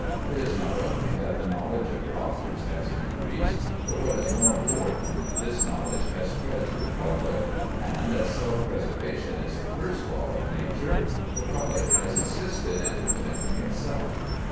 It is not only that the knowledge of doctors has increased, but what is more important, this knowledge has spread to the public, and as "self preservation is the first law of nature," the public has assisted in protecting itself.